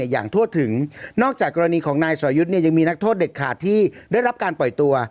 อย่างทั่วถึงนอกจากกรณีของนายสอยุทธ์เนี่ยยังมีนักโทษเด็ดขาดที่ได้รับการปล่อยตัว